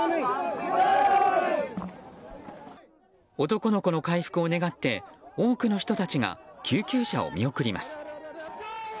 男の子の回復を願って多くの人たちが救急車を見送ります。